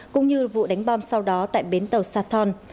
cũng như vụ đánh bom sau đó tại bến tàu sathon